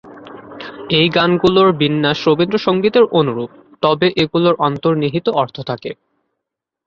এই গানগুলোর বিন্যাস রবীন্দ্রসঙ্গীতের অনুরূপ, তবে এগুলোর অন্তর্নিহিত অর্থ থাকে।